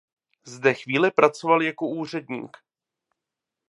Zde chvíli pracoval jako úředník.